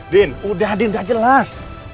din udah din udah jelas